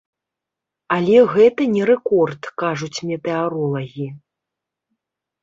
Але гэта не рэкорд, кажуць метэаролагі.